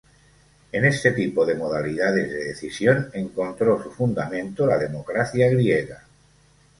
En este tipo de modalidades de decisión encontró su fundamento la democracia griega.